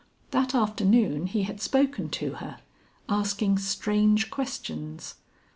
That afternoon he had spoken to her, asking strange questions.